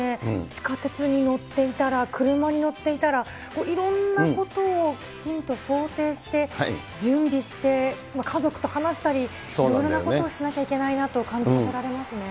地下鉄に乗っていたら、車に乗っていたら、いろんなことをきちんと想定して準備して、家族と話したり、いろいろなことをしなきゃいけないなと感じさせられますね。